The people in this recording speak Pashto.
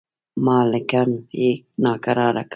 مالکم یې ناکراره کړ.